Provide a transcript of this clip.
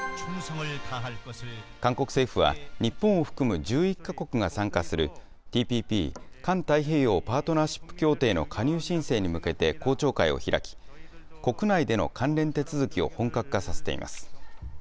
韓国政府は、日本を含む１１か国が参加するＴＰＰ・環太平洋パートナーシップ協定の加入申請に向けて公聴会を開き、国内での関連手続きを本格化させています。